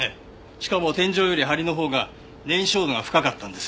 しかも天井より梁のほうが燃焼度が深かったんです。